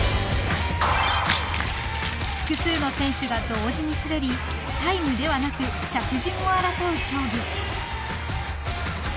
［複数の選手が同時に滑りタイムではなく着順を争う競技］